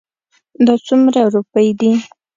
دا څومره روپی دي؟